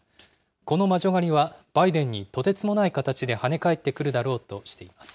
この魔女狩りはバイデンにとてつもない形で跳ね返ってくるだろうとしています。